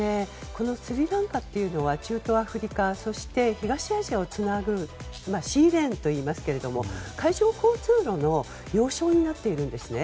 このスリランカは中東アフリカそして、東アジアをつなぐシーレーンといいますが海上交通路の要衝になっているんですね。